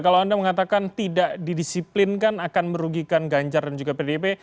kalau anda mengatakan tidak didisiplinkan akan merugikan ganjar dan juga pdp